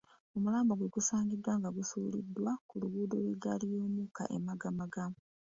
Omulambo gwe gusangiddwa nga gusuuliddwa ku luguudo lw'eggaali y'omukka e Magamaga